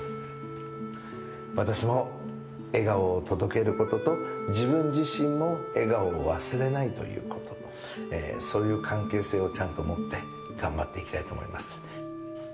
私も笑顔を届けることと自分自身も笑顔を忘れないということそういう関係性をちゃんと持って頑張っていきたいと思います。